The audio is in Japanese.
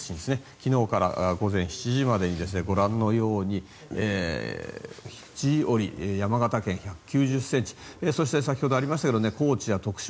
昨日から午前７時までにご覧のように山形県の肘折、１９０ｃｍそして、先ほどありましたが高知や徳島